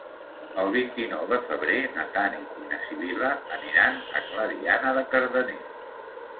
El vint-i-nou de febrer na Tanit i na Sibil·la aniran a Clariana de Cardener.